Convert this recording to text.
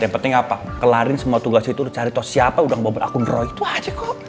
yang penting apa kelarin semua tugas itu udah cari tau siapa udah mau buat akun roh itu aja kok